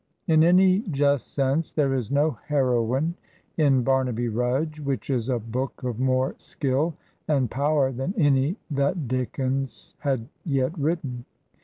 In any just sense there is no heroine in "Bamaby Rudge," which is a book of more skill and power than any that Dickens had yet written.